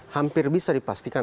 hampir bisa dipastikan